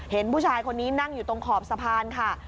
เห็นผู้ชายคนนี้นั่งอยู่ตรงขอบสะพานค่ะ